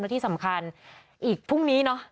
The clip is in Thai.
และที่สำคัญอีกพรุ่งนี้เนอะ